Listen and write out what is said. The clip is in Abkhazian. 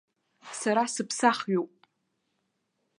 Сара сыԥсахҩуп!